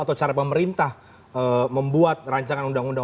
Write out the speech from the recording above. atau cara pemerintah membuat rancangan undang undang